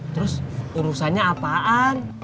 terus urusannya apaan